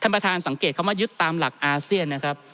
ประธานสังเกตคำว่ายึดตามหลักอาเซียนนะครับ